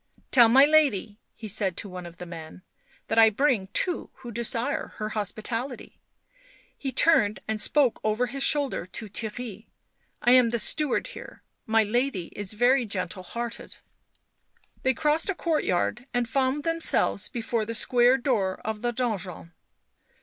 " Tell my lady," said he to one of the men, " that I bring two who desire her hospitality ;" he turned and spoke over his shoulder to Theirry, " I am the steward here, my lady is very gentle hearted." They crossed a courtyard and found themselves before the square door of the donjon.